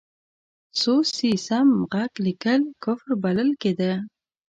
سو، سي، سم، ږغ لیکل کفر بلل کېده.